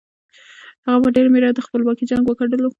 هغه په ډېر مېړانه د خپلواکۍ جنګ وګټلو.